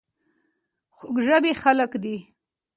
خوږ ژبې خلک دي .